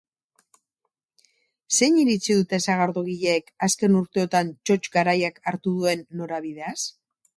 Zein iritzi dute sagardogileek azken urteotan txotx garaiak hartu duen norabideaz?